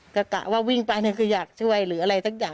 กระกะว่าวิ่งไปเนี่ยคืออยากช่วยหรืออะไรทั้งอย่าง